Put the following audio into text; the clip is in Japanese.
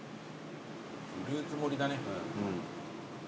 フルーツ盛りだね。